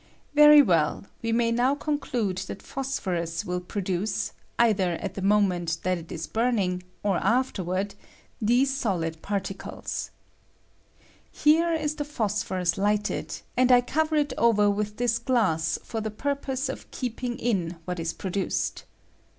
Very well ; we may now coht COMBUSnON OP PH09PH0BUS, elude that phosphorus mil produce, either at the moment that it is bumiug or afterward, these soUd particles. Ilere ia the phosphorus ^ lighted, and I cover it over with this glass for the purpose of keeping in what is produced.